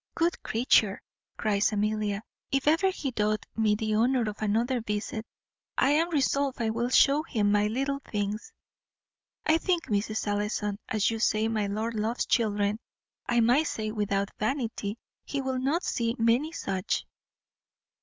"Good creature!" cries Amelia; "if ever he doth me the honour of another visit I am resolved I will shew him my little things. I think, Mrs. Ellison, as you say my lord loves children, I may say, without vanity, he will not see many such."